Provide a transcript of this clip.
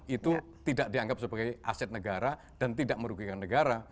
itu tidak dianggap sebagai aset negara dan tidak merugikan negara